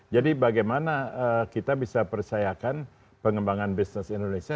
jadi bagaimana kita bisa percayakan pengembangan bisnis indonesia